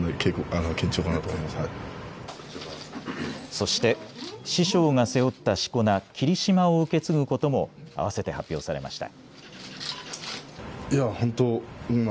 そして師匠が背負ったしこ名、霧島を受け継ぐことも合わせて発表されました。